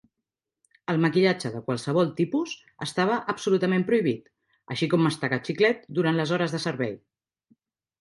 El maquillatge de qualsevol tipus estava absolutament prohibit, així com mastegar xiclet durant les hores de servei.